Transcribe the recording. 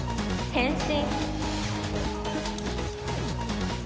変身。